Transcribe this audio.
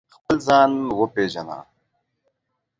خپل ځان و پېژنه